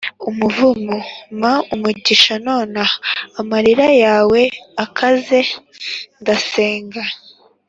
umuvumo, mpa umugisha nonaha amarira yawe akaze, ndasenga.